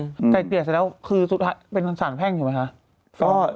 ไกลเกลี่ยเสร็จแล้วคือสุดท้ายเป็นสารแพ่งถูกไหมคะ